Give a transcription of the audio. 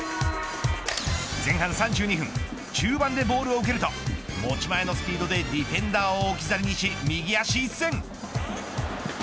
前半３２分中盤でボールを受けると持ち前のスピードでディフェンダーを置き去りにし右足一閃。